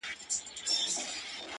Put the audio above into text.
د ژوند دوران ته دي کتلي گراني